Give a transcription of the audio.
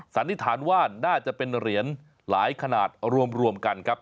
สันนิษฐานว่าน่าจะเป็นเหรียญหลายขนาดรวมกันครับ